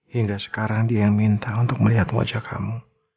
hingga sekarang dia yang minta untuk melihat wajah kamu